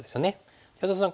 安田さん